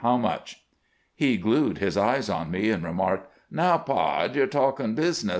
How much ?" He glued his eyes on mej and remarked :" Now, pard, yer taUdn' busi ness.